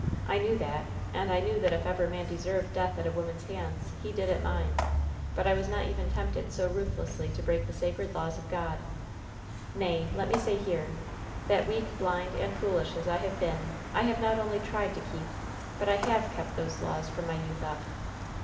I knew thai ; and I knew that if ever man deserved death at a woman's hands, he did at mine; but I was not even tempted so ruth lessly to break the sacred laws of Qod. Nay, let me say here, that weak, blind and foolish as I have been, I have not only tried to keep, but I have kept those laws from my youth up.